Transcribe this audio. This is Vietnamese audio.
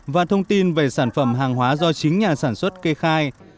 và thông tin về sản phẩm hàng hóa do chính nhà sản xuất kê khai